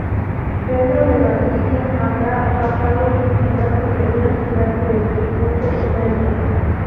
Pedro de Valdivia habría basado su ciudad sobre una ciudad preexistente incaica.